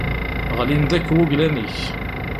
Ɣlin-d akk wuglan-ik.